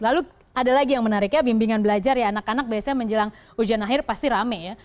lalu ada lagi yang menarik ya bimbingan belajar ya anak anak biasanya menjelang ujian akhir pasti rame ya